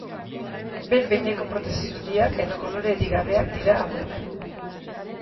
Behin-behineko protesi zuriak edo kolorerik gabeak dira hauek.